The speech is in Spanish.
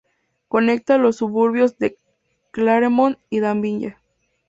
Conecta los suburbios de Claremont y Danville.